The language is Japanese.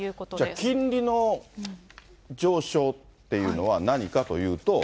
じゃあ、金利の上昇っていうのは何かというと。